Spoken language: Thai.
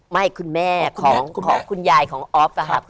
ไม่คุณแม่ขอขุนยายของอ๊อฟ